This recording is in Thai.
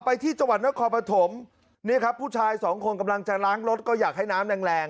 ไปที่จังหวัดนครปฐมเนี่ยครับผู้ชายสองคนกำลังจะล้างรถก็อยากให้น้ำแรงแรง